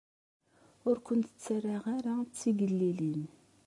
Ur kent-ttaraɣ ara d tigellilin.